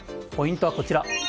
ポイントはこちら。